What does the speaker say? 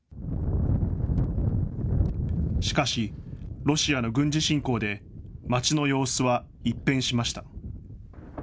しかし、ロシアの軍事侵攻で、街の様子は一変しました。